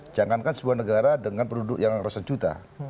jangankan sebuah negara dengan penduduk yang harus sejuta